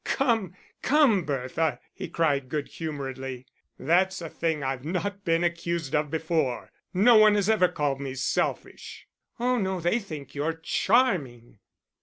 "Come, come, Bertha," he cried good humouredly, "that's a thing I've not been accused of before. No one has ever called me selfish." "Oh no, they think you charming.